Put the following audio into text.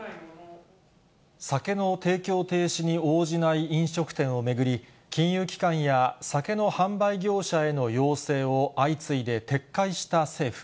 酒の提供停止に応じない飲食店を巡り、金融機関や酒の販売業者への要請を相次いで撤回した政府。